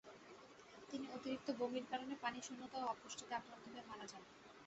তিনি অতিরিক্ত বমির কারণে পানিশূন্যতা ও অপুষ্টিতে আক্রান্ত হয়ে মারা যান।